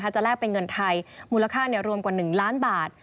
แลกเป็นเงินไทยมูลค่ารวมกว่า๑ล้านบาท